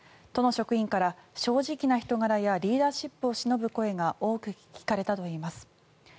都の職員から正直な人柄やリーダーシップをしのぶ声が多く聞かれたといいます。